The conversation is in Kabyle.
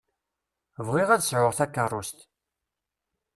Bɣiɣ ad sɛuɣ takeṛṛust.